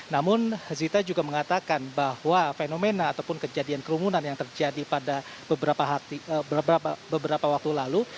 namun zita juga mengatakan bahwa fenomena ataupun kejadian kerumunan yang terjadi pada beberapa waktu lalu